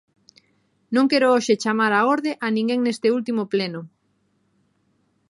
Non quero hoxe chamar á orde a ninguén neste último pleno.